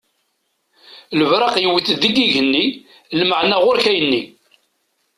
Lebṛaq yewwet-d deg igenni lmeɛna ɣuṛ-k ayenni!